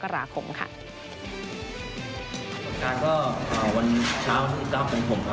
การก็ขอวันเช้าทึก๙หกผมค่ะ